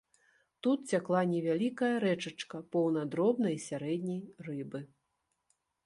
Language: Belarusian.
Тут цякла невялікая рэчачка, поўная дробнай і сярэдняй рыбы.